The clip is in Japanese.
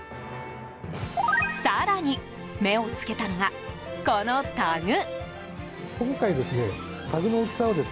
更に目を付けたのが、このタグ。